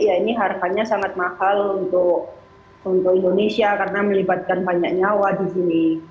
ya ini harganya sangat mahal untuk indonesia karena melibatkan banyak nyawa di sini